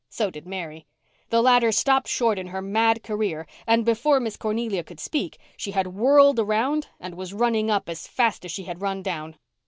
So did Mary. The latter stopped short in her mad career and before Miss Cornelia could speak she had whirled around and was running up as fast as she had run down.